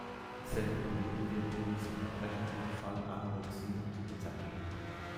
Seltene Nebenwirkungen sind Erbrechen, Durchfall, Anorexie und Lethargie.